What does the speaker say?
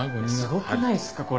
すごくないっすかこれ。